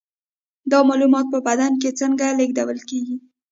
دا معلومات په بدن کې څنګه لیږدول کیږي